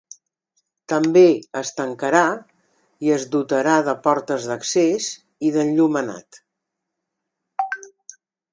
També es tancarà i es dotarà de portes d’accés i d’enllumenat.